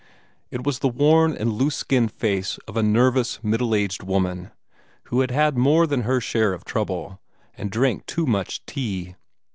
It was the worn and loose skinned face of a nervous, middle aged woman, who had had more than her share of trouble, and drank too much tea.